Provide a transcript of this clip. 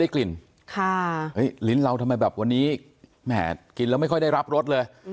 กลิ่นลิ้นเราทำไมแบบวันนี้แหมกินแล้วไม่ค่อยได้รับรสเลย